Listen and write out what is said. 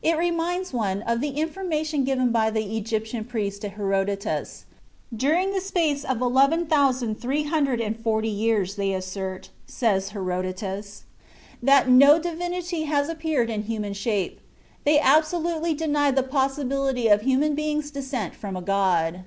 It reminds one of the information given by the Egyptian priests to Herodotus. "During the space of eleven thousand three hundred and forty years they assert," says Herodotus, "that no divinity has appeared in human shape, ... they absolutely denied the possibility of a human being's descent from a god."